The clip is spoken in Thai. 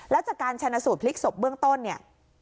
แล้วจากการชนะสูตรพลิกศพเบื้องต้นเนี่ย